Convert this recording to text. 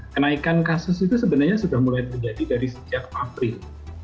kenaikan kasus itu sebenarnya sudah mulai terjadi dari sejak april